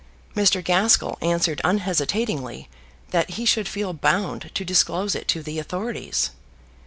Mr. Gaskell answered unhesitatingly that he should feel bound to disclose it to the authorities.